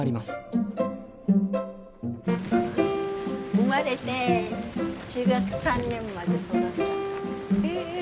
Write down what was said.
生まれて中学３年まで育った家。